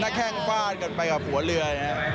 หน้าแข้งฟาดกันไปกับหัวเรือ